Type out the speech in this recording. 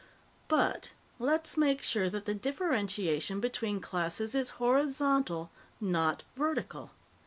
But let's make sure that the differentiation between classes is horizontal, not vertical.